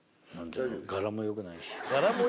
「ガラも良くないし」。